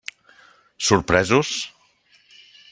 Sorpresos?